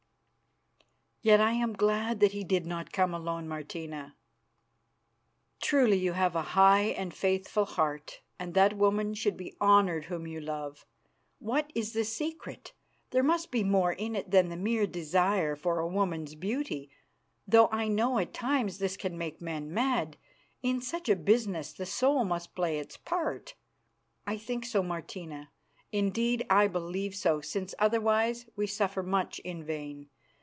"Yet I am glad that he did not come alone, Martina." "Truly you have a high and faithful heart, and that woman should be honoured whom you love. What is the secret? There must be more in it than the mere desire for a woman's beauty, though I know that at times this can make men mad. In such a business the soul must play its part." "I think so, Martina. Indeed, I believe so, since otherwise we suffer much in vain.